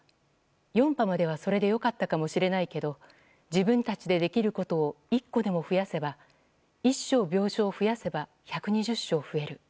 ４波まではそれで良かったかもしれないけど自分たちでできることを１個でも増やせば１床、病床増やせば１２０床増える。